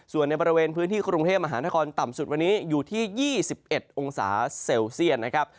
ส่วนในบริเวณพื้นที่กรุงเทพมหานครต่ำสุดวันนี้อยู่ที่๒๑องศาเซลเซียตนะครับ